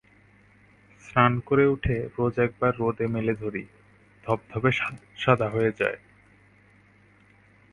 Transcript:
স্নান করে উঠে রোজ একবার রোদে মেলে ধরি, ধবধবে সাদা হয়ে যায়।